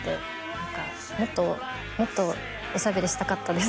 もっともっとおしゃべりしたかったです。